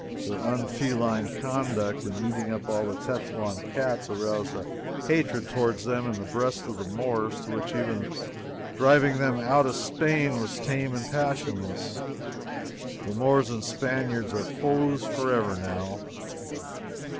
Their unfeline conduct in eating up all the Tetouan cats aroused a hatred toward them in the breasts of the Moors, to which even the driving them out of Spain was tame and passionless. Moors and Spaniards are foes forever now.